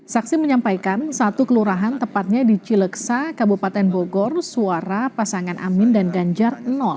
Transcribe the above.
saksi menyampaikan satu kelurahan tepatnya di cileksa kabupaten bogor suara pasangan amin dan ganjar